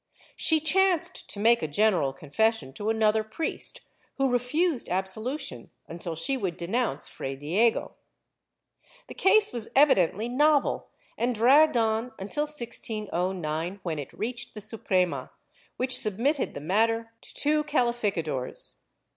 She chanced to make a general confession to another priest who refused absolution unless she would denounce Fray Diego. The case was evidently novel and dragged on until 1609, when it reached the Suprema, VN^hich submitted the matter to two calificadores.